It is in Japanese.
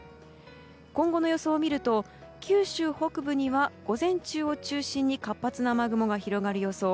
今後の予想を見ると九州北部には午前中を中心に活発な雨雲が広がる予想。